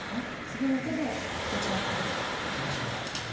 次の手でどちらか打つか。